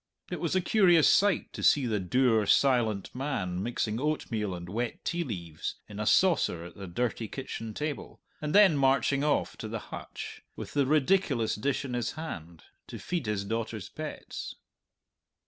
It was a curious sight to see the dour, silent man mixing oatmeal and wet tea leaves in a saucer at the dirty kitchen table, and then marching off to the hutch, with the ridiculous dish in his hand, to feed his daughter's pets.